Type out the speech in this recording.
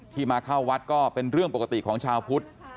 มาเข้าวัดก็เป็นเรื่องปกติของชาวพุทธ